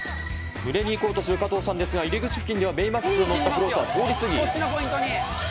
ぬれに行こうとする加藤さんですが、入り口付近ではベイマックスの乗ったフロートは通り過ぎ。